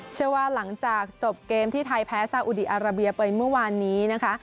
เชื่อว่าหลังจากจบเกมที่ไทยแพ้ซาอุดีอาราเบียไปเมื่อวานนี้นะคะ